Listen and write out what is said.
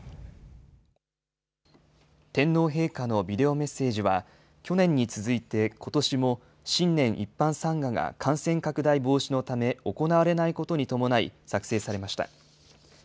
天皇陛下のビデオメッセージは、去年に続いて、ことしも新年一般参賀が感染拡大防止のため、行われないことに伴い、作成されました。